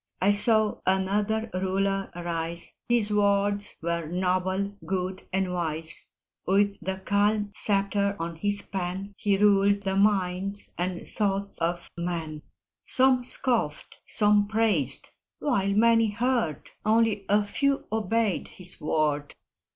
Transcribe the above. I saw another Ruler rise His words were noble, good, and wise; With the calm sceptre of his pen He ruled the minds and thoughts of men; Some scoffed, some praised while many heard, Only a few obeyed his word.